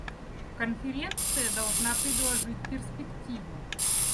Конференция должна предложить перспективу.